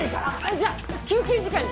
じゃあ休憩時間に。